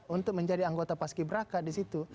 untuk menjadi anggota paski braka disitu